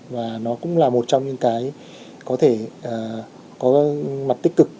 và nó cũng là một trong những cái có thể có mặt tích cực